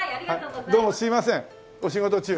どうもすいませんお仕事中。